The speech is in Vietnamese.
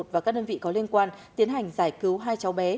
và các đơn vị có liên quan tiến hành giải cứu hai cháu bé